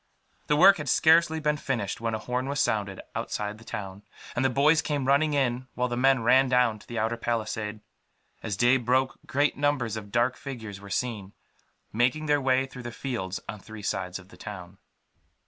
The work had scarcely been finished when a horn was sounded, outside the town; and the boys came running in, while the men ran down to the outer palisade. As day broke, great numbers of dark figures were seen, making their way through the fields on three sides of the town.